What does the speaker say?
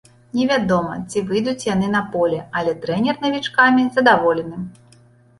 Невядома, ці выйдуць яны на поле, але трэнер навічкамі задаволены.